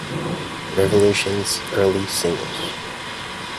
Revolution's early singles.